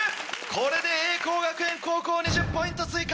これで栄光学園高校２０ポイント追加。